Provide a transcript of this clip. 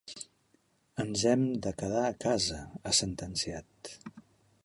Ens hem de quedar a casa, ha sentenciat.